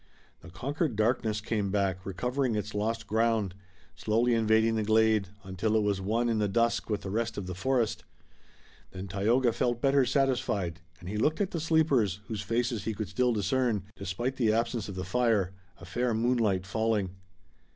The conquered darkness came back, recovering its lost ground, slowly invading the glade, until it was one in the dusk with the rest of the forest. Then Tayoga felt better satisfied, and he looked at the sleepers, whose faces he could still discern, despite the absence of the fire, a fair moonlight falling.